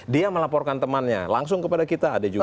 dia melaporkan temannya langsung kepada kita ada juga